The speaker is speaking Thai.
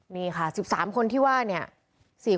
นี่ค่ะ๑๓คนที่ว่าเนี่ย